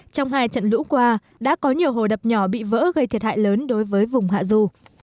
trong hai trận lũ qua đã có nhiều hồ đập nhỏ bị vỡ gây thiệt hại lớn đối với vùng hạ du